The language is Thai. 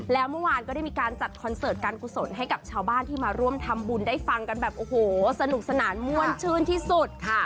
แล้วเมื่อวานก็ได้มีการจัดคอนเสิร์ตการกุศลให้กับชาวบ้านที่มาร่วมทำบุญได้ฟังกันแบบโอ้โหสนุกสนานม่วนชื่นที่สุดค่ะ